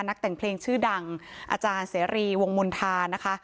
นักแต่งเพลงชื่อดังอาจารย์เสรีวงมณฑานะคะ